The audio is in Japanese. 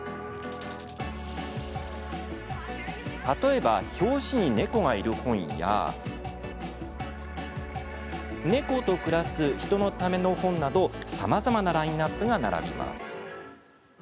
例えば、表紙に猫がいる本や猫と暮らす人のための本などさまざまなラインナップが並びます。